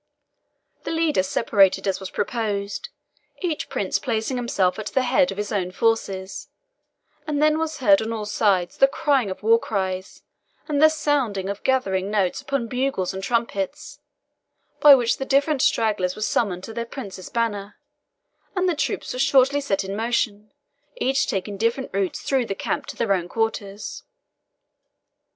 The leaders separated as was proposed, each prince placing himself at the head of his own forces; and then was heard on all sides the crying of war cries and the sounding of gathering notes upon bugles and trumpets, by which the different stragglers were summoned to their prince's banner, and the troops were shortly seen in motion, each taking different routes through the camp to their own quarters.